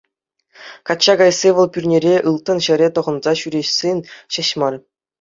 Качча каясси вӑл пӳрнере ылтӑн ҫӗрӗ тӑхӑнса ҫӳресси ҫеҫ мар.